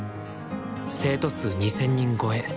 生徒数２，０００人超え。